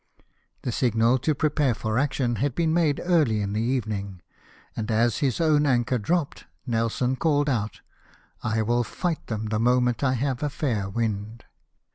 The signal to prepare for action had been made early in the evening ; and, as his own anchor dropped. Nelson called out, " I will fight them the moment I have a fair wind."